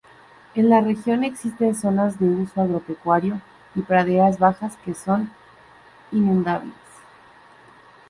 En la región existen zonas de uso agropecuario y praderas bajas que son inundables.